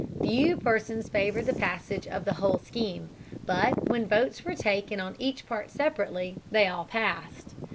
Few persons favored the passage of the whole scheme. But when votes were taken on each part separately, they all passed.